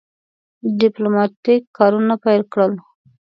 ډیپلوماټیک کارونه پیل کړل.